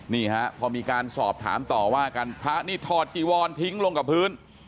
นี่ฮะพอมีการสอบถามต่อว่ากันพระนี่ถอดจีวอนทิ้งลงกับพื้น